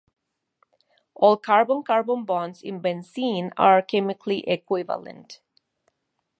All carbon-carbon bonds in benzene are chemically equivalent.